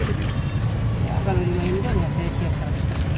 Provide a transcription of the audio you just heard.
kalau di main juga saya siap